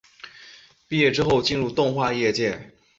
毕业之后进入动画业界。